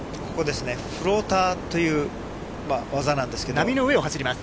フローターという技なんです